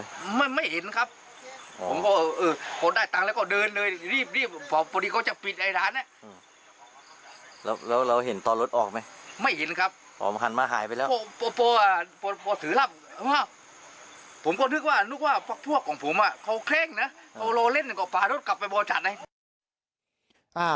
เขาโลเล่นกับฝ่ารถกลับไปบริษัทไหน